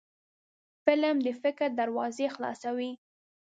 فلم د فکر دروازې خلاصوي